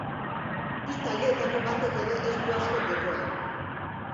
Bi taldeetako batek ere ez du asko jokoan.